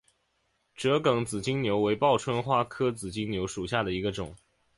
折梗紫金牛为报春花科紫金牛属下的一个种。